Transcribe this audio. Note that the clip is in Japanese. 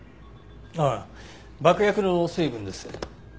ああ爆薬の成分です。